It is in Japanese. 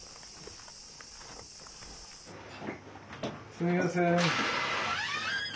すみません。